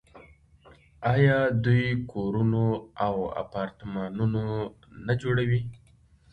آیا دوی کورونه او اپارتمانونه نه جوړوي؟